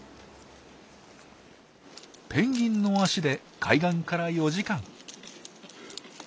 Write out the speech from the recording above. ペンギンの足で海岸から４時間。